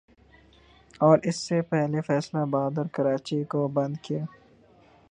اور اس سے پہلے فیصل آباد اور کراچی کو بند کیا